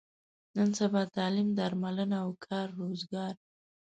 نن سبا تعلیم، درملنه او کار روزګار.